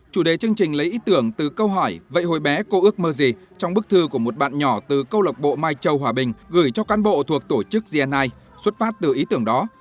chủ đề chương trình lấy ý tưởng từ câu hỏi vậy hồi bé cô ước mơ gì trong bức thư của một bạn nhỏ từ câu lộc bộ mai châu hòa bình gửi cho can bộ thuộc tổ chức gni xuất phát từ ý tưởng đó